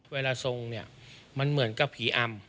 เวลาทรงเนี่ยมันเหมือนกับผีอำ